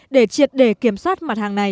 để triệt để kiểm soát mặt hàng này